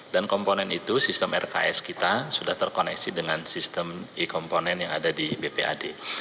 dan komponen itu sistem rks kita sudah terkoneksi dengan sistem i komponen yang ada di bpad